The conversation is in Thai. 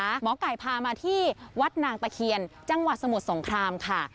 หมอไก่พามาที่วัดนางตะเคียนจังหวัดสมุทรสงครามค่ะ